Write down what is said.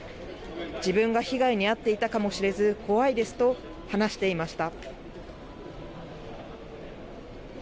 自分が被害に遭っていたかもしれず、怖いですと話していました。